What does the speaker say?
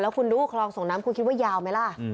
คุณดูคลองส่งน้ำคุณคิดว่ายาวไหมล่ะ